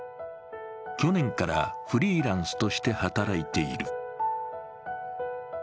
去年からフリーランスとして働いている。